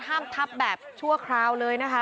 ทับแบบชั่วคราวเลยนะคะ